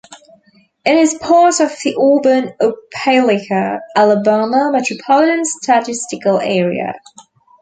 It is part of the Auburn-Opelika, Alabama Metropolitan Statistical Area.